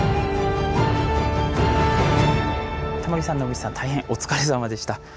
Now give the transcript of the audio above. タモリさん野口さん大変お疲れさまでした。